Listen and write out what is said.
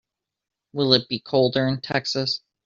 Will it be colder in Texas?